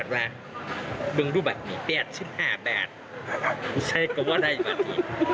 เบื้องรูปแบบนี้๘๕บาทใช่ก็ว่าได้ปะที